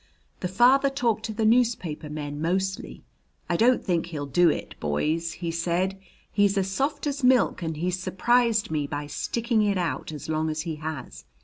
"The father talked to the newspaper men mostly. 'I don't think he'll do it, boys!' he said. 'He's as soft as milk and he's surprised me by sticking it out as long as he has.